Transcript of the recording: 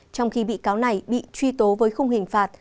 trong khi bị cáo này bị truy tố với không hình phạt